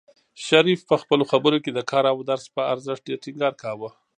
شریف په خپلو خبرو کې د کار او درس په ارزښت ډېر ټینګار کاوه.